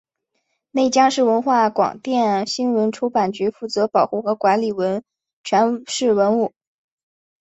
内江市文化广电新闻出版局负责保护和管理全市文物。